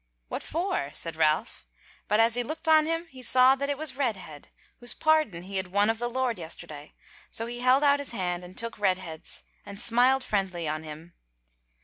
"What for?" said Ralph, but as he looked on him he saw that it was Redhead, whose pardon he had won of the Lord yesterday; so he held out his hand, and took Redhead's, and smiled friendly on him.